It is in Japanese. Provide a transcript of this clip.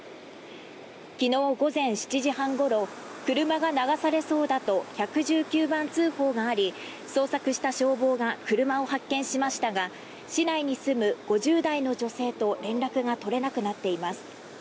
昨日午前７時半ごろ車が流されそうだと１１９番通報があり捜索した消防が車を発見しましたが市内に住む５０代の女性と連絡が取れなくなっています。